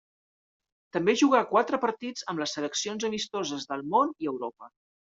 També jugà quatre partits amb les seleccions amistoses del Món i Europa.